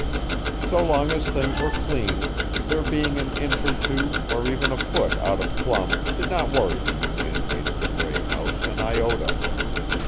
So long as things were clean, their being an inch or two, or even a foot, out of plumb did not worry the new inmate of the gray house an iota.